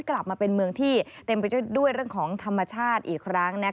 กลับมาเป็นเมืองที่เต็มไปด้วยเรื่องของธรรมชาติอีกครั้ง